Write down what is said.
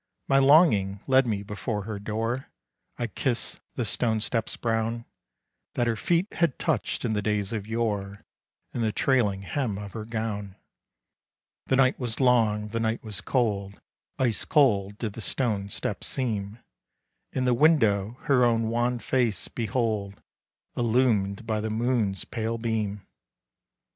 My longing led me before her door; I kissed the stone steps brown, That her feet had touched in the days of yore, And the trailing hem of her gown. The night was long, the night was cold, Ice cold did the stone steps seem. In the window her own wan face, behold! Illumed by the moon's pale beam.